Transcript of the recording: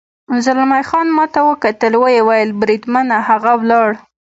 زلمی خان ما ته وکتل، ویې ویل: بریدمنه، هغه ولاړ.